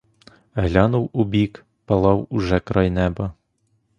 Глянув убік — палав уже край неба.